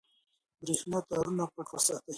برېښنا تارونه پټ وساتئ.